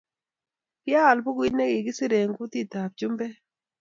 Ki aal bukuit ne ki kisir eng kutit ab chumbek